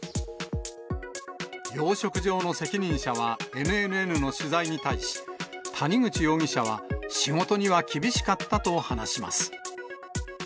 養殖場の責任者はＮＮＮの取材に対し、谷口容疑者は仕事には厳しかったと話します。